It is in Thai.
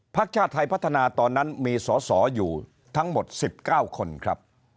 ชาติไทยพัฒนาตอนนั้นมีสอสออยู่ทั้งหมด๑๙คนครับ